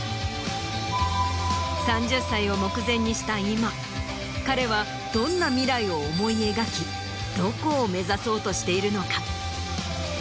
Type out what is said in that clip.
３０歳を目前にした今彼はどんな未来を思い描きどこを目指そうとしているのか？